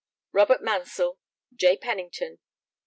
ROBERT MANSELL. J. PENNINGTON.